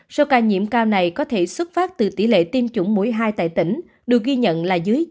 số ca nhiễm cao này có thể xuất phát từ tỷ lệ tiêm chủng mũi hai tại tỉnh được ghi nhận là dưới chín mươi